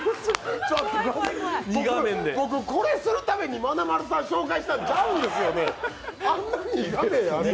僕、これするためにまなまるさん紹介したんちゃうんですよ。